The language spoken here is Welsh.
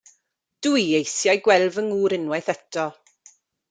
Dw i eisiau gweld fy ngŵr unwaith eto.